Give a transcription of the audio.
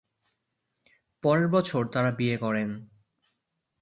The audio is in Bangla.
পরের বছর তারা বিয়ে করেন।